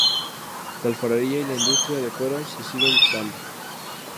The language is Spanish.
La alfarería y la industria de cuero se siguen dando.